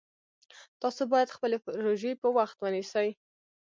تاسو باید خپلې روژې په وخت ونیسئ